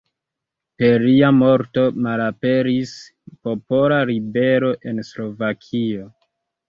Per lia morto malaperis popola ribelo en Slovakio.